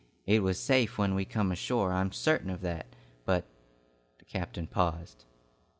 It was safe when we come ashore, I'm certain of that, but " The captain paused.